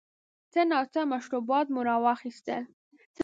څه ناڅه مشروبات مو را واخیستل.